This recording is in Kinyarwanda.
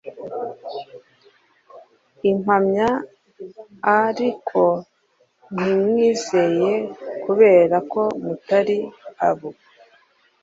Impamya a ariko ntimwizeye kubera ko mutari abo